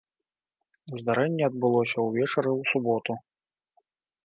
Здарэнне адбылося ўвечары ў суботу.